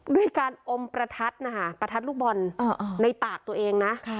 ด้วยการอมประทัดนะคะประทัดลูกบอลในปากตัวเองนะ